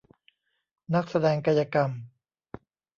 นักแสดงกายกรรม